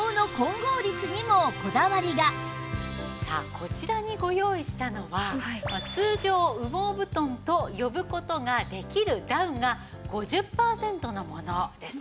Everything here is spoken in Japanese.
そしてさあこちらにご用意したのは通常羽毛布団と呼ぶ事ができるダウンが５０パーセントのものです。